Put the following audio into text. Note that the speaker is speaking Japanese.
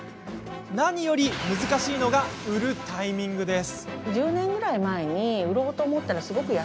何より難しいのが売るタイミングです。